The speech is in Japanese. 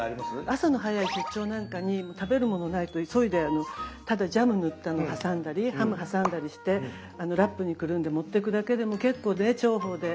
朝の早い出張なんかに食べるものないと急いでただジャム塗ったのを挟んだりハム挟んだりしてラップにくるんで持ってくだけでも結構ね重宝で。